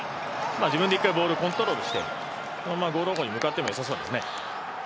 自分で一回ボールをコントロールしてゴール方向に向かっても良さそうですね。